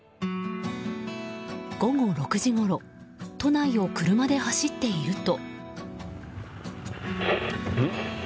午後６時ごろ都内を車で走っていると。